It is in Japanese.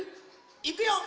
いくよ。